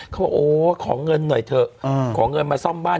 เขาบอกโอ้ขอเงินหน่อยเถอะขอเงินมาซ่อมบ้าน